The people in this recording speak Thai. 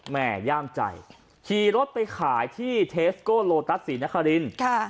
แม่ย่ามใจขี่รถไปขายที่เทสโก้โลตัสศรีนครินทร์